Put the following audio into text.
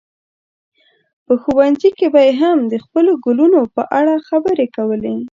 په ښوونځي کې به یې هم د خپلو ګلونو په اړه خبرې کولې.